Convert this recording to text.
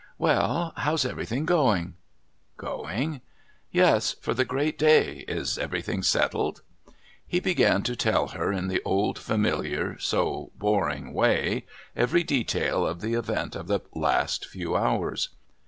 "Well, how's everything going?" "Going?" "Yes, for the great day. Is everything settled?" He began to tell her in the old familiar, so boring way, every detail of the events of the last few hours.